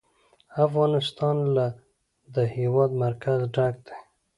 افغانستان له د هېواد مرکز ډک دی.